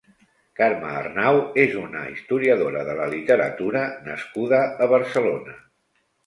Carme Arnau és una historiadora de la literatura nascuda a Barcelona.